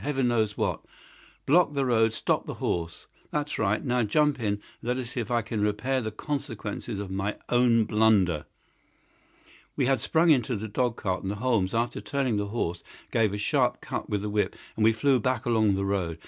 Heaven knows what! Block the road! Stop the horse! That's right. Now, jump in, and let us see if I can repair the consequences of my own blunder." We had sprung into the dog cart, and Holmes, after turning the horse, gave it a sharp cut with the whip, and we flew back along the road.